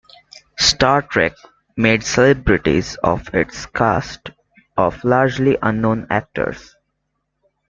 "Star Trek" made celebrities of its cast of largely unknown actors.